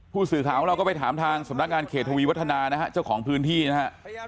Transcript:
ผู้สื่อข่าวของเราก็ไปถามทางสำนักงานเขตทวีวัฒนานะฮะเจ้าของพื้นที่นะฮะ